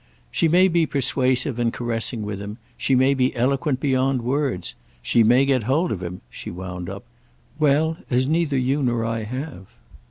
"She may be persuasive and caressing with him; she may be eloquent beyond words. She may get hold of him," she wound up—"well, as neither you nor I have."